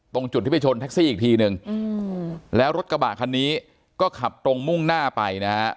ตรงจุดที่ไปชนแท็กซี่อีกทีนึงแล้วรถกระบะคันนี้ก็ขับตรงมุ่งหน้าไปนะฮะ